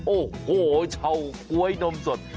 โอ้โหเฉาก๊วยนมสด